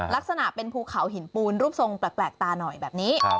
ลักษณะเป็นภูเขาหินปูนรูปทรงแปลกตาหน่อยแบบนี้